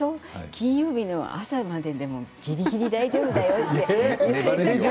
金曜日の朝まででもぎりぎり大丈夫だよって。